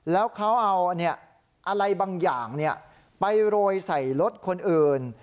แล้วเขาเอาอะไรบางอย่างไปโรยใส่รถคนอื่น